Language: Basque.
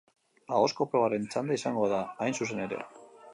Ahozko probaren txanda izango da, hain zuzen ere.